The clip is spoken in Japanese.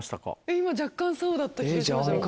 今若干そうだった気がします。